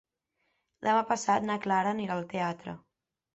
Demà passat na Clara anirà al teatre.